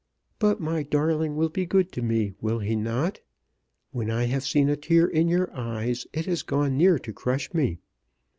But my darling will be good to me; will he not? When I have seen a tear in your eyes it has gone near to crush me.